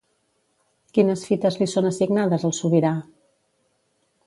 Quines fites li són assignades al sobirà?